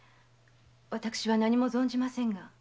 私は何も存じませぬ。